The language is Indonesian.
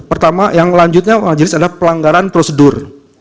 pertama yang lanjutnya majelis ada pelanggaran prosedur